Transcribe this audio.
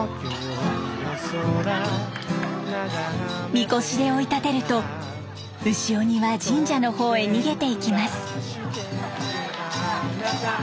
みこしで追い立てると牛鬼は神社のほうへ逃げていきます。